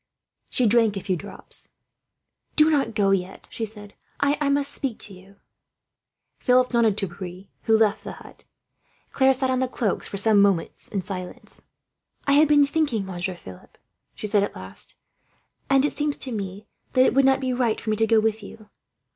She drank a few drops. "Do not go yet," she said. "I must speak to you." Philip nodded to Pierre, who left the hut. Claire sat on the cloaks for some minutes, in silence. "I have been thinking, Monsieur Philip," she said at last, "and it seems to me that it would not be right for me to go with you.